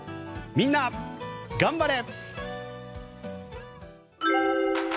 みんながん晴れ！